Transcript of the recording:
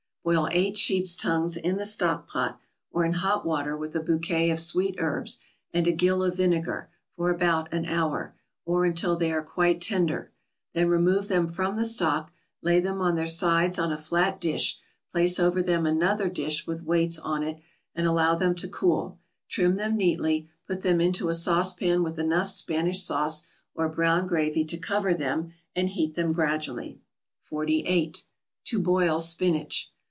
= Boil eight sheep's tongues in the stock pot, or in hot water with a bouquet of sweet herbs, and a gill of vinegar, for about an hour, or until they are quite tender; then remove them from the stock, lay them on their sides on a flat dish, place over them another dish with weights on it, and allow them to cool: trim them neatly, put them into a sauce pan with enough Spanish sauce, or brown gravy to cover them, and heat them gradually. 48. =To boil Spinach.